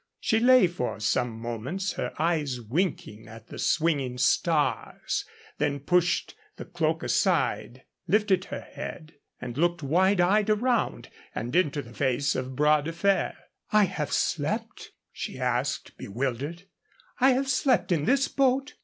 She lay for some moments, her eyes winking at the swinging stars, then pushed the cloak aside, lifted her head, and looked wide eyed around and into the face of Bras de Fer. "I have slept?" she asked, bewildered "I have slept in this boat?"